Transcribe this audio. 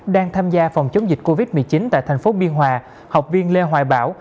đang tham gia phòng chống dịch covid một mươi chín tại thành phố biên hòa học viên lê hoài bảo